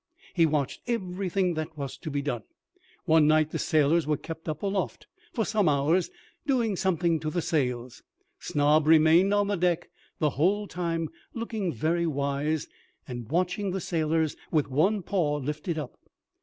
He watched everything that was to be done. One night the sailors were kept up aloft for some hours doing something to the sails; Snob remained on the deck the whole time, looking very wise, and watching the sailors with one paw lifted up.